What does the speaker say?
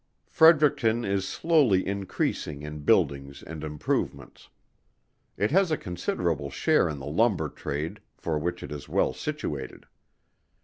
Fredericton is slowly increasing in buildings and improvements. It has a considerable share in the lumber trade, for which it is well situated.